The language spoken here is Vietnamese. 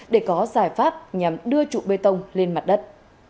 để có giải pháp nhằm đưa trụ bê tông lên mặt đất